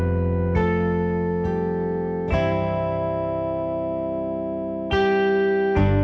kamu tetep dengan si laki laki kamu